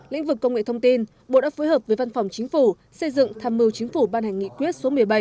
lĩnh vực công nghệ thông tin bộ đã phối hợp với văn phòng chính phủ xây dựng tham mưu chính phủ ban hành nghị quyết số một mươi bảy